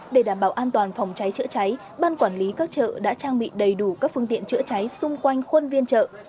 để đảm bảo an toàn phòng cháy chữa cháy ban quản lý các chợ đã trang bị đầy đủ các phương tiện chữa cháy xung quanh khuôn viên chợ